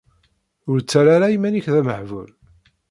Ur ttarra ara iman-ik d amehbul.